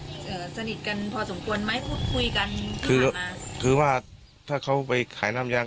เอ่อสนิทกันพอสมควรไหมพูดคุยกันคือว่าถ้าเขาไปขายน้ำยาง